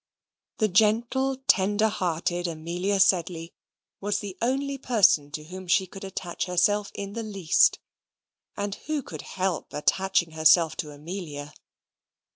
The gentle tender hearted Amelia Sedley was the only person to whom she could attach herself in the least; and who could help attaching herself to Amelia?